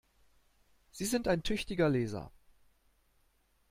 Sie sind ein tüchtiger Leser!